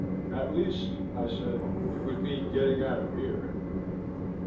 "At least," I said, "it would mean getting out of here."